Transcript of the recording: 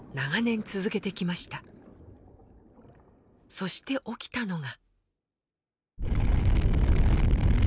そして起きたのが。